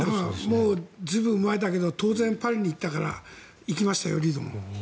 もう随分前だけど当然パリに行ったからどうでした？